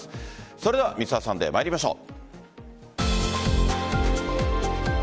それでは「Ｍｒ．サンデー」参りましょう。